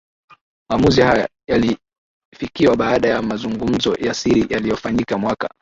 Maamuzi haya yalifikiwa baada ya mazungumzo ya siri yaliyofanyika mwaka